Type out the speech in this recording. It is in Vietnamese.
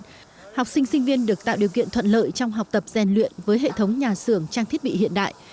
học sinh sinh viên được tạo điều kiện thuận lợi trong học tập rèn luyện với hệ thống nhà xưởng trang thiết bị hiện đại